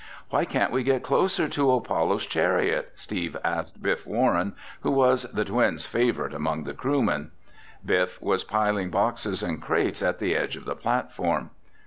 "Why can't we get closer to Apollo's Chariot?" Steve asked Biff Warren, who was the twins' favorite among the crewmen. Biff was piling boxes and crates at the edge of the platform.